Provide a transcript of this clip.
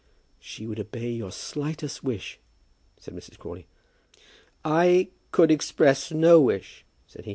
"She would obey your slightest wish," said Mrs. Crawley. "I could express no wish," said he.